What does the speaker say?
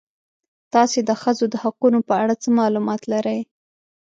تاسې د ښځو د حقونو په اړه څه معلومات لرئ؟